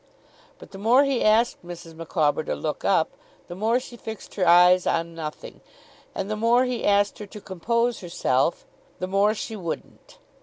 But the more he asked Mrs. Micawber to look up, the more she fixed her eyes on nothing; and the more he asked her to compose herself, the more she wouldn't.